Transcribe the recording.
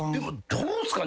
どうすかね？